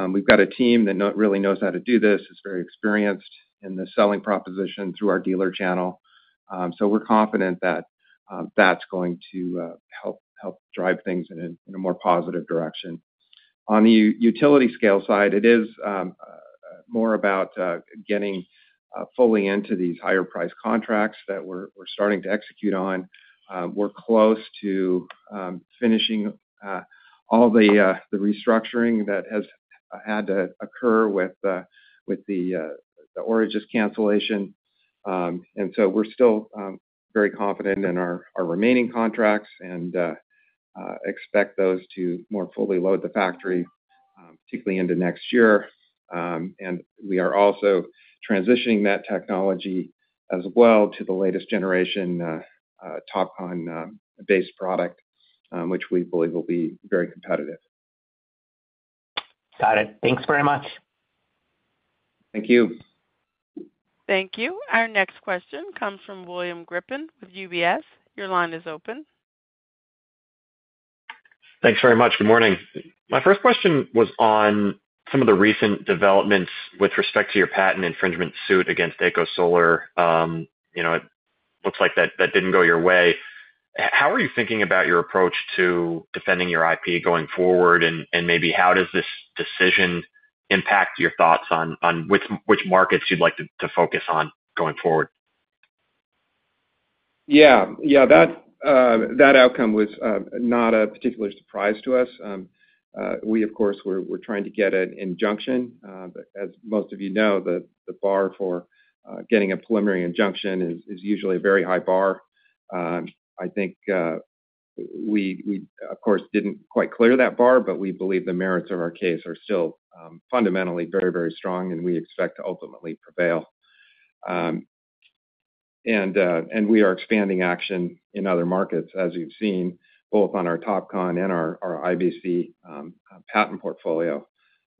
We've got a team that really knows how to do this, is very experienced in the selling proposition through our dealer channel. So we're confident that that's going to help drive things in a more positive direction. On the utility scale side, it is more about getting fully into these higher price contracts that we're starting to execute on. We're close to finishing all the restructuring that has had to occur with the Origis cancellation. And so we're still very confident in our remaining contracts and expect those to more fully load the factory, particularly into next year. And we are also transitioning that technology as well to the latest generation TOPCon based product, which we believe will be very competitive. Got it. Thanks very much. Thank you. Thank you. Our next question comes from William Grippin with UBS. Your line is open. Thanks very much. Good morning. My first question was on some of the recent developments with respect to your patent infringement suit against Aiko Solar. You know, it looks like that didn't go your way. How are you thinking about your approach to defending your IP going forward? And maybe how does this decision impact your thoughts on which markets you'd like to focus on going forward? Yeah. Yeah, that outcome was not a particular surprise to us. We, of course, were trying to get an injunction, but as most of you know, the bar for getting a preliminary injunction is usually a very high bar. I think we, of course, didn't quite clear that bar, but we believe the merits of our case are still fundamentally very, very strong, and we expect to ultimately prevail. We are expanding action in other markets, as you've seen, both on our TOPCon and our IBC patent portfolio.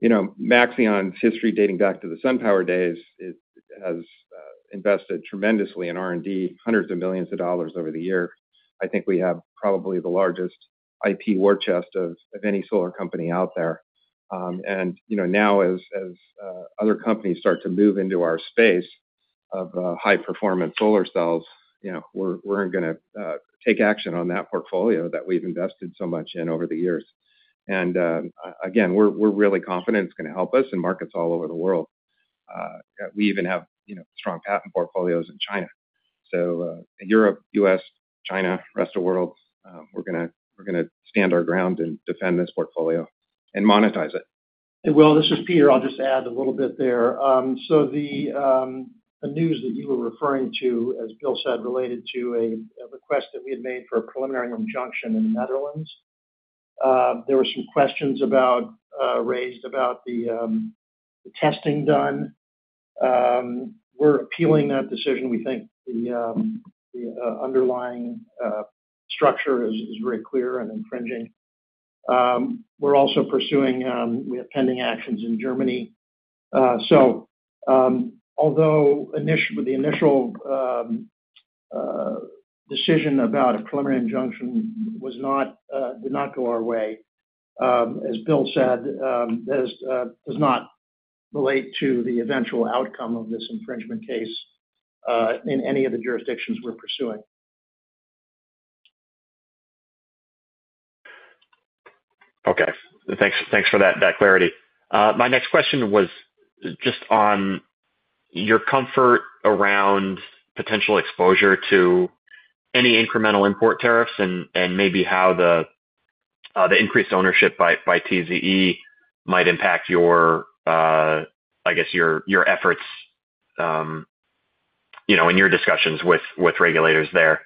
You know, Maxeon's history dating back to the SunPower days, it has invested tremendously in R&D, hundreds of millions of dollars over the year. I think we have probably the largest IP war chest of any solar company out there. And you know, now as other companies start to move into our space of high-performance solar cells, you know, we're gonna take action on that portfolio that we've invested so much in over the years. And again, we're really confident it's gonna help us in markets all over the world. We even have, you know, strong patent portfolios in China. So, Europe, U.S., China, rest of the world, we're gonna stand our ground and defend this portfolio and monetize it. Will, this is Peter. I'll just add a little bit there. So the news that you were referring to, as Bill said, related to a request that we had made for a preliminary injunction in the Netherlands. There were some questions raised about the testing done. We're appealing that decision. We think the underlying structure is very clear and infringing. We're also pursuing; we have pending actions in Germany. So although the initial decision about a preliminary injunction was not, did not go our way, as Bill said, does not relate to the eventual outcome of this infringement case in any of the jurisdictions we're pursuing. Okay. Thanks, thanks for that, that clarity. My next question was just on your comfort around potential exposure to any incremental import tariffs and, and maybe how the, the increased ownership by, by TZE might impact your, I guess, your, your efforts, you know, in your discussions with, with regulators there.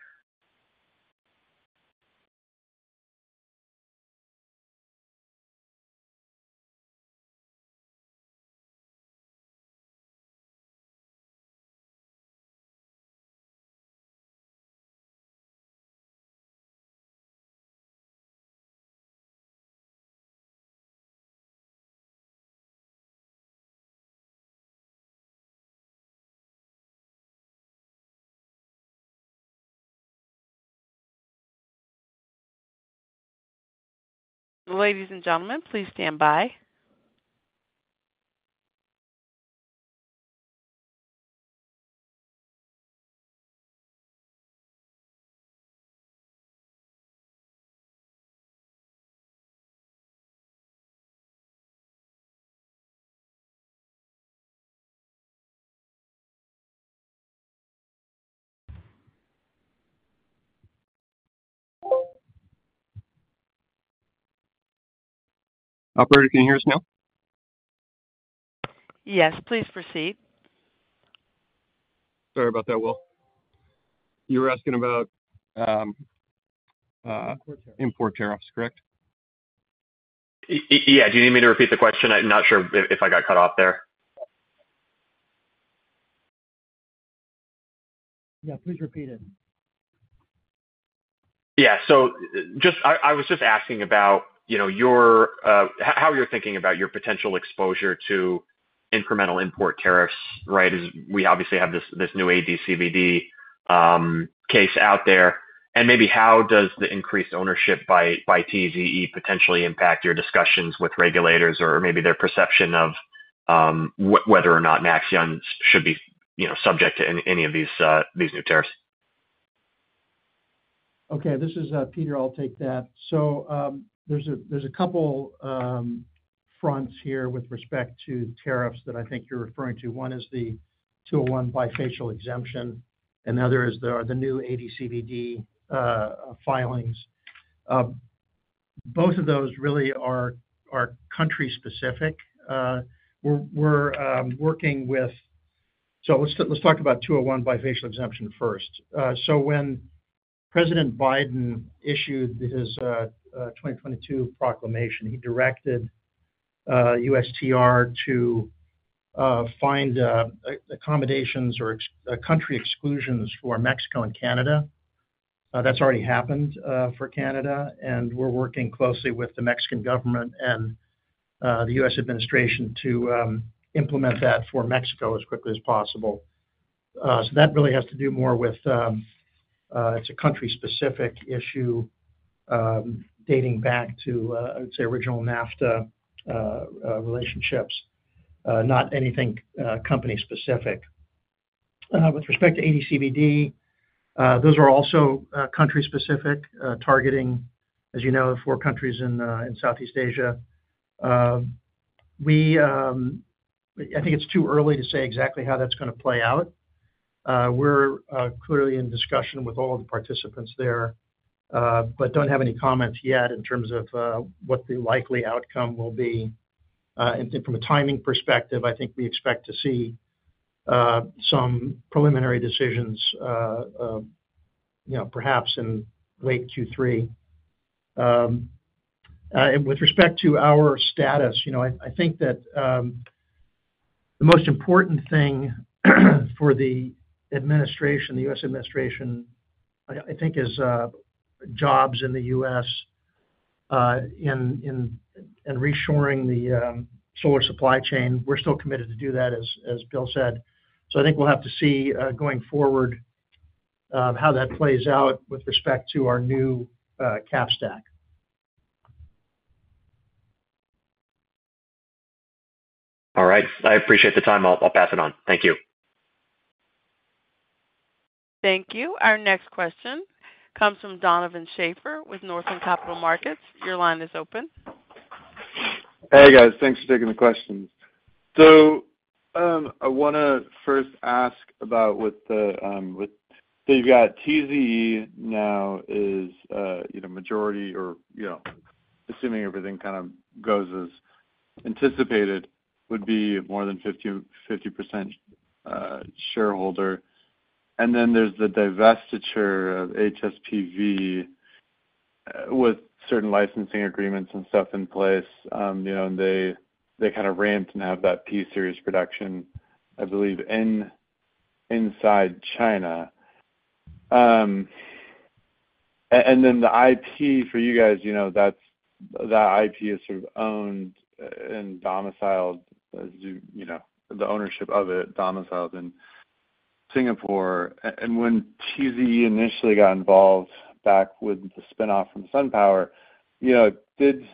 Ladies and gentlemen, please stand by. ... Operator, can you hear us now? Yes, please proceed. Sorry about that, Will. You were asking about import tariffs, correct? Yeah. Do you need me to repeat the question? I'm not sure if I got cut off there. Yeah, please repeat it. Yeah. So I was just asking about, you know, your how you're thinking about your potential exposure to incremental import tariffs, right? As we obviously have this new AD/CVD case out there. And maybe how does the increased ownership by TZE potentially impact your discussions with regulators or maybe their perception of whether or not Maxeon should be, you know, subject to any of these new tariffs? Okay, this is, Peter, I'll take that. So, there's a couple fronts here with respect to the tariffs that I think you're referring to. One is the 201 bifacial exemption, and the other is the new AD/CVD filings. Both of those really are country-specific. We're working with... So let's talk about 201 bifacial exemption first. So when President Biden issued his 2022 proclamation, he directed USTR to find accommodations or country exclusions for Mexico and Canada. That's already happened for Canada, and we're working closely with the Mexican government and the U.S. administration to implement that for Mexico as quickly as possible. So that really has to do more with... It's a country-specific issue, dating back to, I'd say, original NAFTA relationships, not anything company-specific. With respect to AD/CVD, those are also country-specific, targeting, as you know, four countries in Southeast Asia. I think it's too early to say exactly how that's gonna play out. We're clearly in discussion with all of the participants there, but don't have any comments yet in terms of what the likely outcome will be. And from a timing perspective, I think we expect to see some preliminary decisions, you know, perhaps in late Q3. And with respect to our status, you know, I think that the most important thing for the administration, the U.S. administration, I think, is jobs in the U.S., in reshoring the solar supply chain. We're still committed to do that, as Bill said. So I think we'll have to see, going forward, how that plays out with respect to our new cap stack. All right. I appreciate the time. I'll, I'll pass it on. Thank you. Thank you. Our next question comes from Donovan Schafer with Northland Capital Markets. Your line is open. Hey, guys. Thanks for taking the questions. So, I wanna first ask about what. So you've got TZE now is, you know, majority or, you know, assuming everything kind of goes as anticipated, would be more than 50/50% shareholder. And then there's the divestiture of HSPV with certain licensing agreements and stuff in place. You know, and they, they kind of ramped and have that P-Series production, I believe, inside China. And then the IP for you guys, you know, that's that IP is sort of owned and domiciled, as you know, the ownership of it domiciled in Singapore. And when TZE initially got involved back with the spinoff from SunPower, you know, it did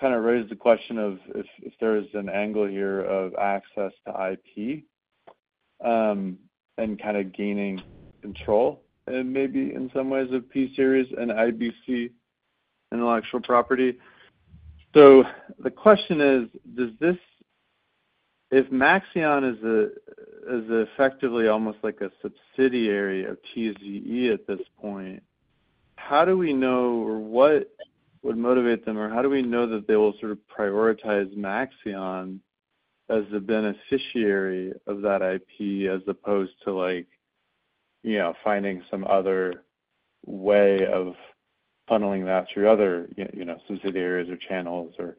kind of raise the question of if there is an angle here of access to IP, and kind of gaining control and maybe in some ways of P-Series and IBC intellectual property. So the question is, does this- if Maxeon is effectively almost like a subsidiary of TZE at this point, how do we know or what would motivate them, or how do we know that they will sort of prioritize Maxeon as the beneficiary of that IP, as opposed to like, you know, finding some other way of funneling that through other, you know, subsidiaries or channels or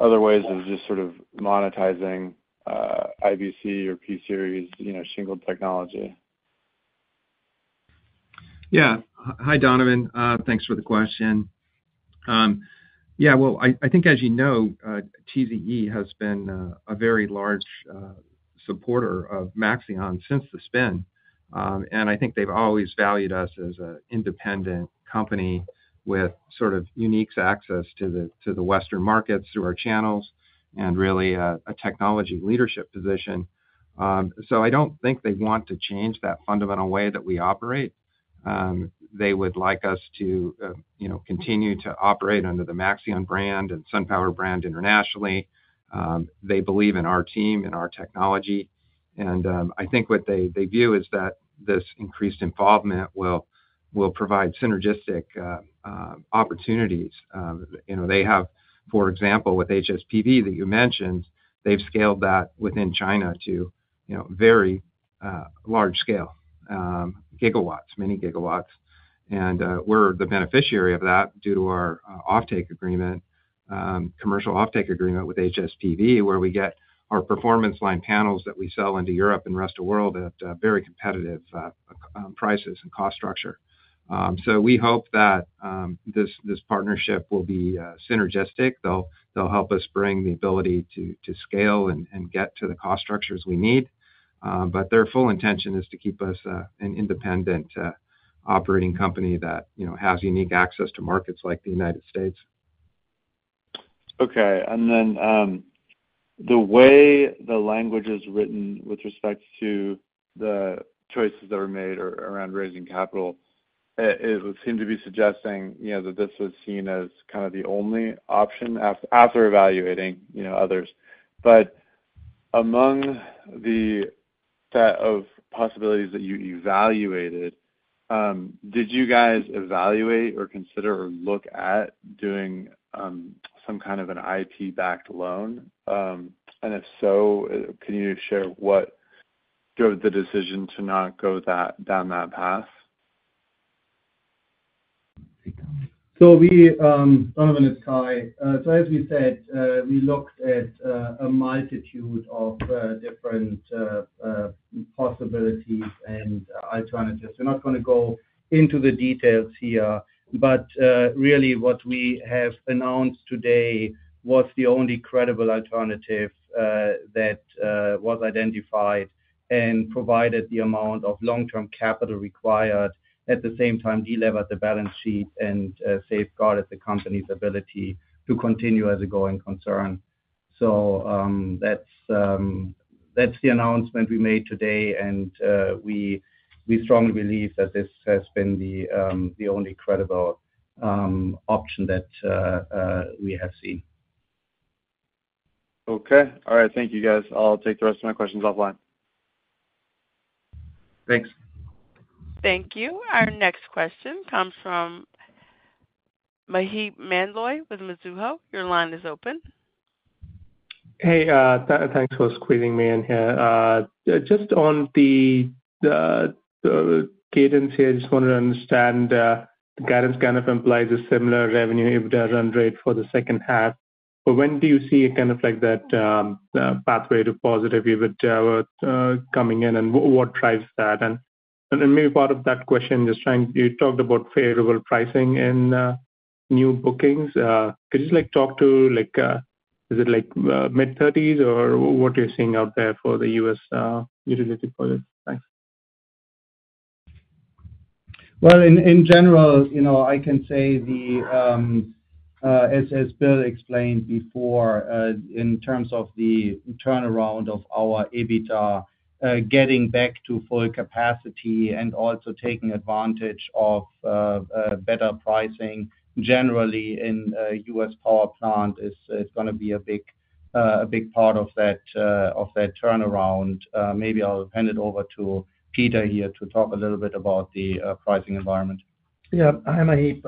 other ways of just sort of monetizing IBC or P-Series, you know, shingled technology? Yeah. Hi, Donovan. Thanks for the question. Yeah, well, I think, as you know, TZE has been a very large supporter of Maxeon since the spin. I think they've always valued us as an independent company with sort of unique access to the Western markets through our channels and really a technology leadership position.... So I don't think they want to change that fundamental way that we operate. They would like us to, you know, continue to operate under the Maxeon brand and SunPower brand internationally. They believe in our team and our technology, and, I think what they, they view is that this increased involvement will, will provide synergistic opportunities. You know, they have, for example, with HSPV that you mentioned, they've scaled that within China to, you know, very large scale, gigawatts, many gigawatts. And, we're the beneficiary of that due to our, offtake agreement, commercial offtake agreement with HSPV, where we get our Performance Line panels that we sell into Europe and the rest of the world at, very competitive prices and cost structure. So we hope that this partnership will be synergistic. They'll help us bring the ability to scale and get to the cost structures we need. But their full intention is to keep us an independent operating company that, you know, has unique access to markets like the United States. Okay. And then, the way the language is written with respect to the choices that were made around raising capital, it would seem to be suggesting, you know, that this was seen as kind of the only option after evaluating, you know, others. But among the set of possibilities that you evaluated, did you guys evaluate or consider or look at doing some kind of an IP-backed loan? And if so, can you share what drove the decision to not go down that path? So we, Donovan, it's Kai. So as we said, we looked at a multitude of different possibilities and alternatives. We're not gonna go into the details here, but really, what we have announced today was the only credible alternative that was identified and provided the amount of long-term capital required, at the same time, delever the balance sheet and safeguarded the company's ability to continue as a going concern. So that's that's the announcement we made today, and we we strongly believe that this has been the the only credible option that we have seen. Okay. All right. Thank you, guys. I'll take the rest of my questions offline. Thanks. Thank you. Our next question comes from Maheep Mandloi with Mizuho. Your line is open. Hey, thanks for squeezing me in here. Just on the guidance here, I just wanted to understand, guidance kind of implies a similar revenue, EBITDA run rate for the second half, but when do you see a kind of pathway to positive EBITDA coming in, and what drives that? And maybe part of that question, just trying, you talked about favorable pricing in new bookings. Could you just, like, talk to, like, is it like mid-30s, or what are you seeing out there for the U.S. utility product? Thanks. Well, in general, you know, I can say as Bill explained before, in terms of the turnaround of our EBITDA, getting back to full capacity and also taking advantage of better pricing generally in U.S. power plant is gonna be a big part of that turnaround. Maybe I'll hand it over to Peter here to talk a little bit about the pricing environment. Yeah. Hi, Maheep.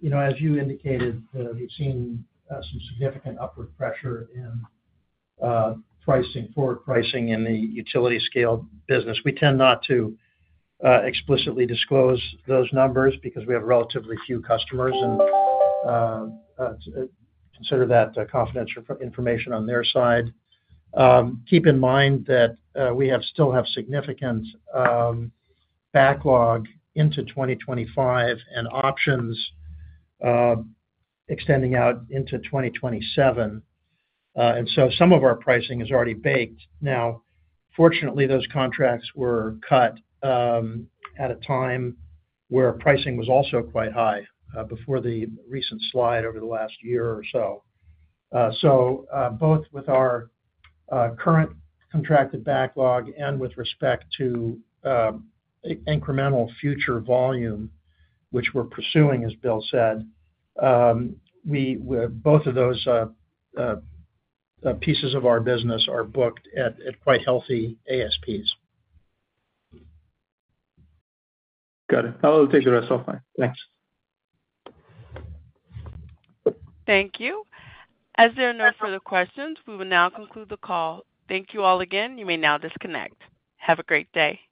You know, as you indicated, we've seen some significant upward pressure in pricing, forward pricing in the Utility Scale business. We tend not to explicitly disclose those numbers because we have relatively few customers, and consider that confidential information on their side. Keep in mind that we have—still have significant backlog into 2025 and options extending out into 2027. And so some of our pricing is already baked. Now, fortunately, those contracts were cut at a time where pricing was also quite high before the recent slide over the last year or so. So, both with our current contracted backlog and with respect to incremental future volume, which we're pursuing, as Bill said, we, both of those pieces of our business are booked at quite healthy ASPs. Got it. I will take the rest offline. Thanks. Thank you. As there are no further questions, we will now conclude the call. Thank you all again. You may now disconnect. Have a great day.